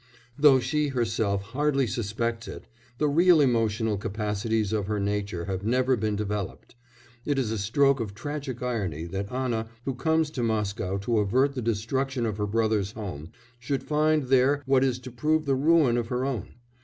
Though she herself hardly suspects it, the real emotional capacities of her nature have never been developed. It is a stroke of tragic irony that Anna, who comes to Moscow to avert the destruction of her brother's home, should find there what is to prove the ruin of her own.